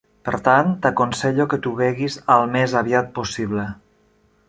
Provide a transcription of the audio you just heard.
Per tant, t'aconsello que t'ho beguis al més aviat possible.